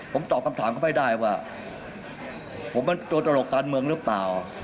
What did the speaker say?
ผมตอบคำถามเขาไม่ได้ว่าผมเป็นตัวตลกการเมืองหรือเปล่า